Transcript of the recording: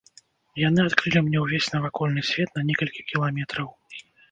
Яны адкрылі мне ўвесь навакольны свет на некалькі кіламетраў.